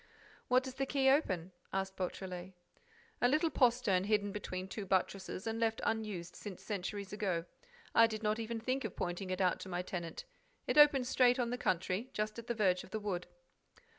"What does the key open?" asked Beautrelet. "A little postern hidden between two buttresses and left unused since centuries ago. I did not even think of pointing it out to my tenant. It opens straight on the country, just at the verge of the wood."